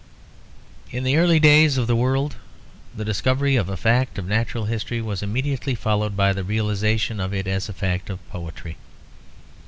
In the early days of the world, the discovery of a fact of natural history was immediately followed by the realization of it as a fact of poetry.